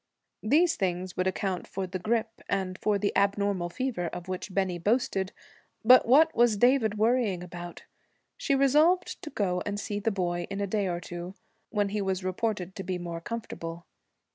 These things would account for the grippe, and for the abnormal fever of which Bennie boasted. But what was David worrying about? She resolved to go and see the boy in a day or two, when he was reported to be more comfortable.